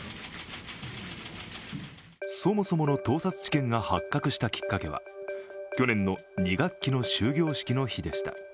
そもそもの盗撮事件が発覚したきっかけは去年の２学期の終業式の日でした。